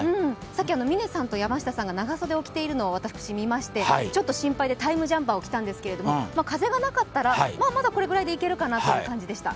さっき嶺さんと山下さんが長袖を着ているのを見て、ちょっと心配でＴＩＭＥジャンパーを着てみたんですけど、風がなかったらまだこれぐらいでいけるかなという感じでした。